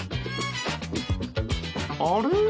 あれ？